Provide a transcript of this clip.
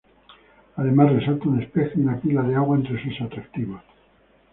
Además resalta un espejo y una pila de agua entre sus atractivos.